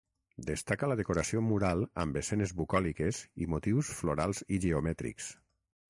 Destaca la decoració mural amb escenes bucòliques i motius florals i geomètrics.